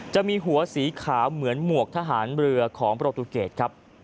จะมีหัวสีขาวเหมือนหมวกทหารเรือของโปรตูเกตครับ